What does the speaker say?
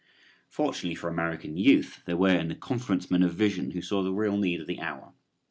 Fortunately for American youth there were in the conference men of vision who saw the real need of the hour.